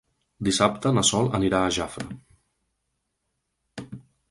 Dissabte na Sol anirà a Jafre.